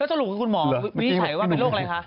สรุปคุณหมอวินิจฉัยว่าเป็นโรคอะไรคะ